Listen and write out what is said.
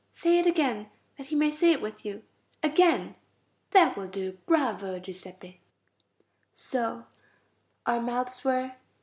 Say it again, that he may say it with you. Again. That will do. Bravo, Giuseppe. So our mouths were